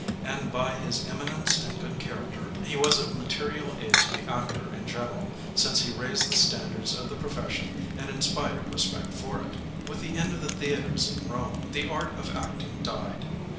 And by his eminence and good character he was of material aid to the actor in general, since he raised the stand ards of the profession and inspired respect for it. With the end of the theatres in Rome, the art of acting died.